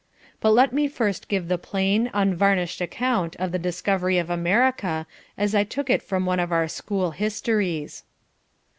But let me first give the plain, unvarnished account of the discovery of America as I took it from one of our school histories.